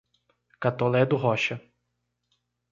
Catolé do Rocha